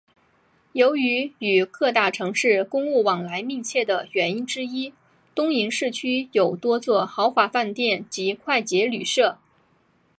由于与各大城市公务往来密切的原因之一东营市区有多座豪华饭店及快捷旅舍。